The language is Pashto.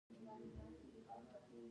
افغانستان د واوره لپاره مشهور دی.